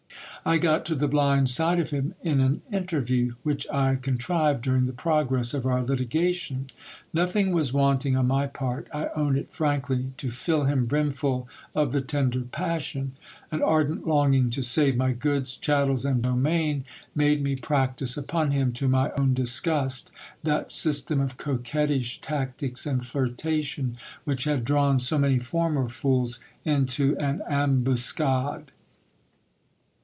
I got to the blind side of him in an interview, which I con :rived during the progress of our litigation. Nothing was wanting on my part, I own it frankly, to fill him brimful of the tender passion ; an ardent longing to save my goods, chattels, and domain, made me practise upon him, to my own disgust, that system of coquettish tactics and flirtation which had drawn so many former fools into an ambuscade.